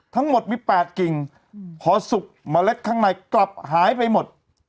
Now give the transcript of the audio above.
ทั้งหมดมี๘กิ่งพอสุกเมล็ดข้างในกลับหายไปหมด